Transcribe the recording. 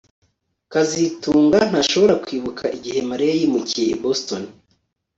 kazitunga ntashobora kwibuka igihe Mariya yimukiye i Boston